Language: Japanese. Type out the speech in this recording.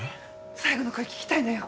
最後の声聞きたいのよ。